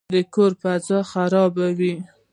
د کور فضا خرابوي.